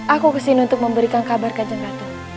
aku ke sini untuk memberikan kabar kajang ratu